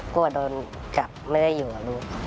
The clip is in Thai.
กลัวโดนจับไม่ได้อยู่กับลูก